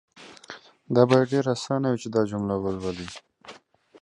It should be easy to read the sentence.